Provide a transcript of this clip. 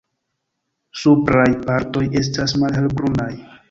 Supraj partoj estas malhelbrunaj.